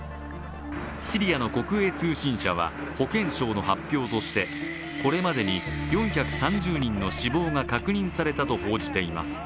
シリアの国営通信社は保健省の発表として、これまでに４３０人の死亡が確認されたと報じています。